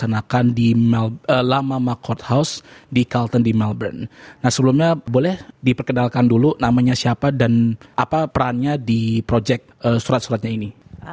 nah sebelumnya boleh diperkenalkan dulu namanya siapa dan apa perannya di proyek surat suratnya ini